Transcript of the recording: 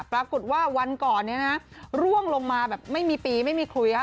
ปรากฏว่าวันก่อนเนี่ยนะร่วงลงมาแบบไม่มีปีไม่มีคุยค่ะ